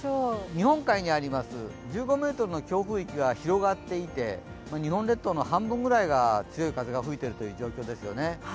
日本海にあります、１５メートルの強風域が広がっていて、日本列島の半分ぐらいが強い風が吹いているという状況ですよね。